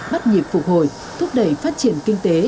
bắt nhịp phục hồi thúc đẩy phát triển kinh tế